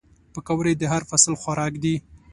پکورې د هر فصل خوراک دي